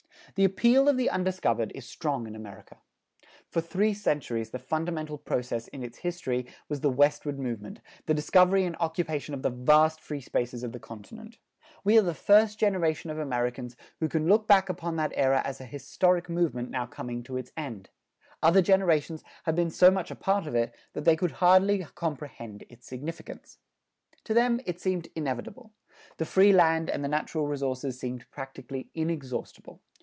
The appeal of the undiscovered is strong in America. For three centuries the fundamental process in its history was the westward movement, the discovery and occupation of the vast free spaces of the continent. We are the first generation of Americans who can look back upon that era as a historic movement now coming to its end. Other generations have been so much a part of it that they could hardly comprehend its significance. To them it seemed inevitable. The free land and the natural resources seemed practically inexhaustible.